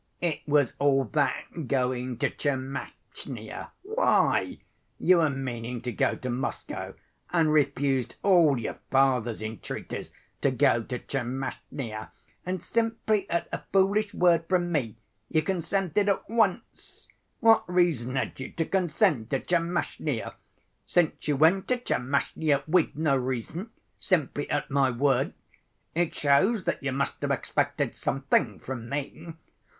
"It was all that going to Tchermashnya. Why! You were meaning to go to Moscow and refused all your father's entreaties to go to Tchermashnya—and simply at a foolish word from me you consented at once! What reason had you to consent to Tchermashnya? Since you went to Tchermashnya with no reason, simply at my word, it shows that you must have expected something from me."